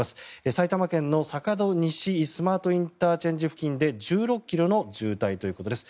埼玉県の坂戸西スマートＩＣ付近で１６ｋｍの渋滞ということです。